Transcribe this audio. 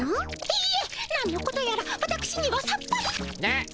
いいえなんのことやらわたくしにはさっぱり。